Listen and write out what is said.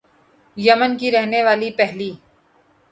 یمن کی رہنے والی پہلی